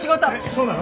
そうなの？